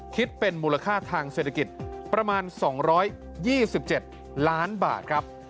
คิดเป็นมูลค่าทางเศรษฐกิจประมาณ๒๒๗ล้านบาทครับ